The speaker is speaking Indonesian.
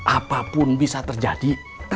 apapun bisa terjadi